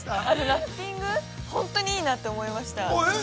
◆ラフティング、本当にいいなって思いました。